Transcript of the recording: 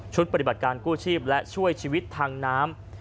ปฏิบัติการกู้ชีพและช่วยชีวิตทางน้ำ